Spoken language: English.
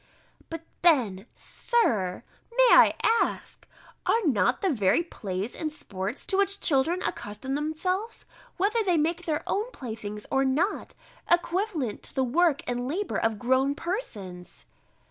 But then, Sir, may I ask, Are not the very plays and sports, to which children accustom themselves, whether they make their own playthings or not, equivalent to the work or labour of grown persons!